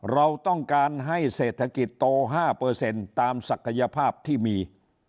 เราต้องการให้เศรษฐกิจโต๕ตามศักยภาพที่มี